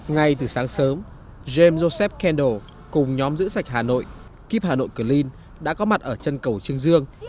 ngay từ sáng sớm james joseph kendall cùng nhóm giữ sạch hà nội keep hà nội clean đã có mặt ở chân cầu trương dương